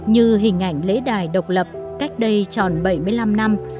như hình ảnh lễ đài độc lập cách đây tròn bảy mươi năm năm